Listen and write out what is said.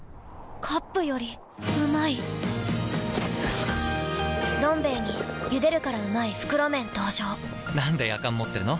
カップよりうまい「どん兵衛」に「ゆでるからうまい！袋麺」登場なんでやかん持ってるの？